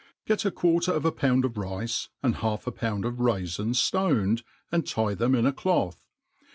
GET a quarter of a pound of rice, and half a pound bfraU fins ftoned, and tie them in a cloth.